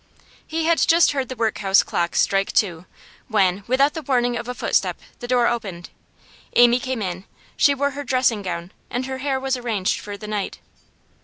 He had just heard the workhouse clock strike two, when, without the warning of a footstep, the door opened. Amy came in; she wore her dressing gown, and her hair was arranged for the night.